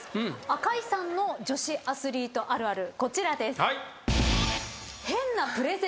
赤井さんの女子アスリートあるあるこちらです。